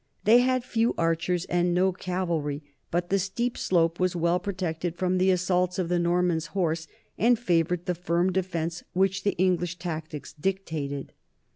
They had few archers and no cavalry, but the steep hill was well protected from the assaults of the Norman horse and favored the firm defence which the English tactics dictated.